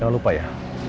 jangan lupa ya